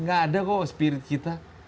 gak ada kok spirit kita